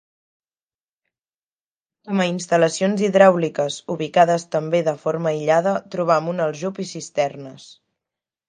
Com a instal·lacions hidràuliques ubicades també de forma aïllada trobam un aljub i cisternes.